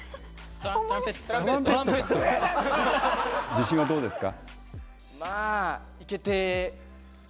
自信はどうですか？